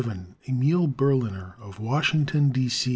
In 1877 Emile Berliner, of Washington, D. C.